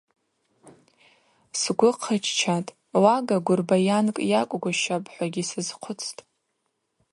Сгвы хъыччатӏ: Лага гвырбайанкӏ йакӏвгвыщапӏ – хӏвагьи сазхъвыцтӏ.